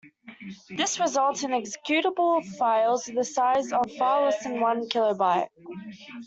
This results in executable files with a size of far less than one kilobyte.